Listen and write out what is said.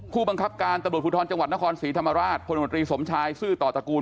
ผู้บังคับการตำรวจภูทรจังหวัดนครศรีธรรมราชพลมตรีสมชายซื่อต่อตระกูล